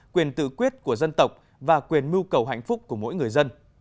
quyền tự quyết của dân tộc và quyền mưu cầu hạnh phúc của mỗi người dân